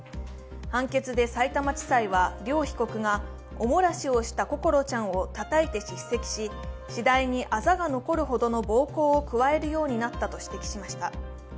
判決でさいたま地裁は、両被告がお漏らしをした心ちゃんをたたいて叱責し、次第にあざが残るほどの暴行を加えるようになったと指摘しました。